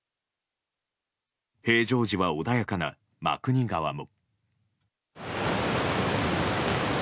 平常時は、穏やかな真国川も。